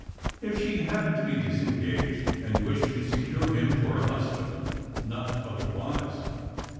If she happened to be disengaged, and wished to secure him for her husband. Not otherwise.